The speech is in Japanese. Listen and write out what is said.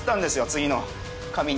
次の紙に。